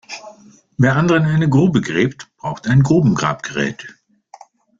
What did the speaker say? Wer anderen eine Grube gräbt, braucht ein Grubengrabgerät.